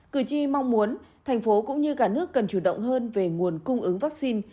cử tri mong muốn tp hcm cũng như cả nước cần chủ động hơn về nguồn cung ứng vaccine